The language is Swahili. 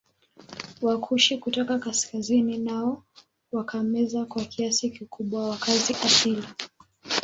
Wakushi kutoka kaskazini nao wakameza kwa kiasi kikubwa wakazi asili